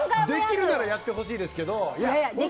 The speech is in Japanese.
できるならやってほしいですけど。